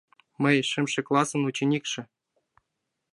— Мый — шымше классын ученикше!